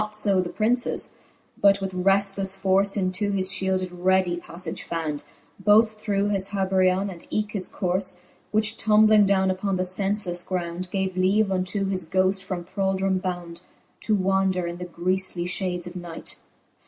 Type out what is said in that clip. Not fb the Princes, but with reftlefle force Into his fliield it readie pafTage found, Both through his haberjeon, and eke his corfe : Which tombling downe upon the (enfelefle ground, Gave leave unto his ghoft from thraldome bound, To wander in the griefly fhades of night.